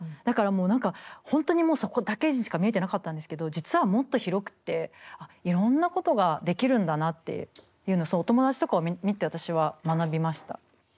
だからもう何か本当にもうそこだけしか見えてなかったんですけど実はもっと広くていろんなことができるんだなっていうのをお友達とかを見て私は学びました。